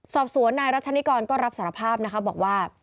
สอบสวนนายรัชนิกรก็รับสารภาพนะคะบอกว่า